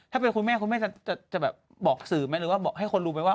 ถ้าเป็นคุณแม่คุณแม่จะแบบบอกสื่อไหมหรือว่าบอกให้คนรู้ไหมว่า